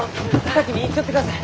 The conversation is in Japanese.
先に行っちょってください！